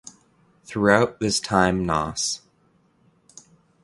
Throughout this time Nos.